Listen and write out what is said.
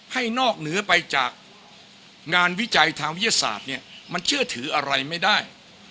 นอกเหนือไปจากงานวิจัยทางวิทยาศาสตร์เนี่ยมันเชื่อถืออะไรไม่ได้